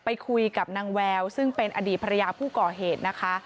ไปคุยกับนางแววซึ่งเป็นอดีตภรรยาผู้ก่อเหตุนะคะ